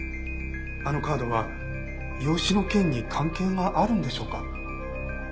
あのカードは養子の件に関係があるんでしょうか？